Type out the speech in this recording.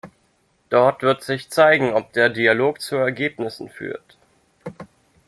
Dort wird sich zeigen, ob der Dialog zu Ergebnissen führt.